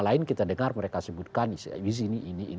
lain kita dengar mereka sebutkan ini ini ini ini ini